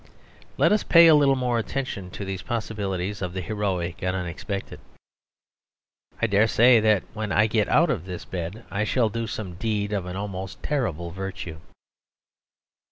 Let us pay a little more attention to these possibilities of the heroic and unexpected. I dare say that when I get out of this bed I shall do some deed of an almost terrible virtue.